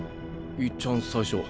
いっちゃん最初。